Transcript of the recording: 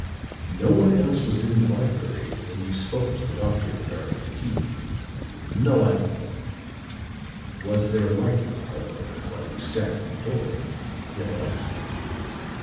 "No one else was in the library when you spoke to the doctor regarding the key?" "No one." "Was there a light in the hallway while you sat at the door?" "There was."